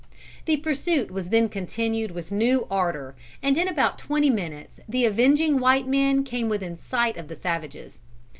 The pursuit was then continued with new ardor, and in about twenty minutes the avenging white men came within sight of the savages.